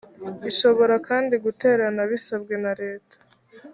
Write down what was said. ishobora kandi guterana bisabwe na leta